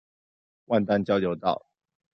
萬丹交流道